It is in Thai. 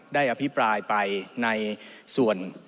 อภิปรายไปในส่วน